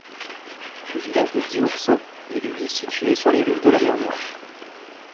Le village de Diourso est lui situé sur les rives de la mer Noire.